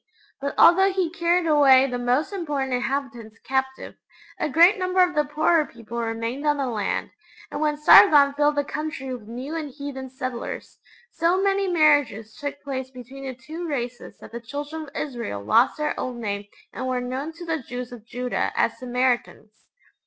but although he carried away the most important inhabitants captive, a great number of the poorer people remained on the land, and when Sargon filled the country with new and heathen settlers, so many marriages took place between the two races that the Children of Israel lost their old name and were known to the Jews of Judah as 'Samaritans.'